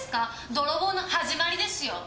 泥棒の始まりですよ。